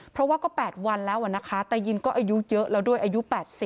เพราะว่าก็๘วันแล้วนะคะตายินก็อายุเยอะแล้วด้วยอายุ๘๐